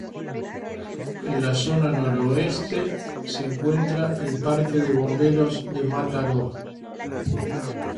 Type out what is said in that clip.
En la zona noroeste, se encuentra el Parque de Bomberos de Mataró.